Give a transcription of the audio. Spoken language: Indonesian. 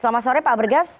selamat sore pak bergas